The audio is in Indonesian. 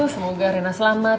semoga renna selamat